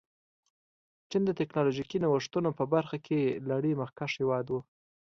چین د ټکنالوژيکي نوښتونو په برخه کې نړۍ مخکښ هېواد و.